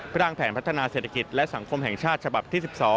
ร่างแผนพัฒนาเศรษฐกิจและสังคมแห่งชาติฉบับที่๑๒